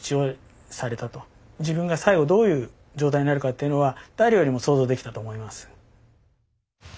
自分が最後どういう状態になるかというのは誰よりも想像できたと思います。